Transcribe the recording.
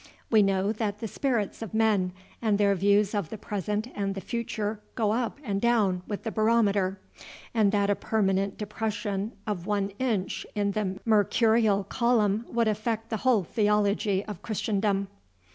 We know that the spirits of men and their views of the present and the future go up and down with the barometer, and that a permanent depression of one inch in the mercurial column would affect the whole theology of Christendom.